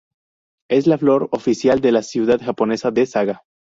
Es la flor oficial de la ciudad japonesa de Saga.